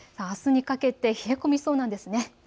あすにかけて冷え込みそうなんです。